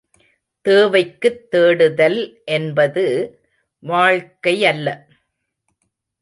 தேவைக்குத் தேடுதல் என்பது வாழ்க்கை யல்ல.